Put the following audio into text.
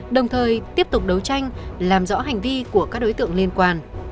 đồng thời tiếp tục đấu tranh làm rõ hành vi của các đối tượng liên quan